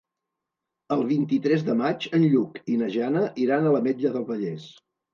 El vint-i-tres de maig en Lluc i na Jana iran a l'Ametlla del Vallès.